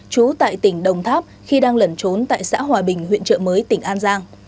trú tại tỉnh đồng tháp khi đang lẩn trốn tại xã hòa bình huyện trợ mới tỉnh an giang